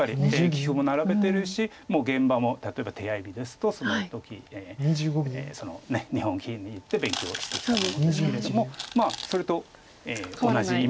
棋譜も並べてるしもう現場も例えば手合日ですとその時日本棋院に行って勉強してきたと思うんですけれどもまあそれと同じ意味だと。